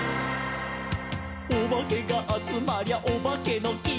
「おばけがあつまりゃおばけのき」